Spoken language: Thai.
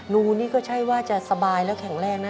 ูนี่ก็ใช่ว่าจะสบายแล้วแข็งแรงนะ